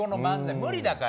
無理だから。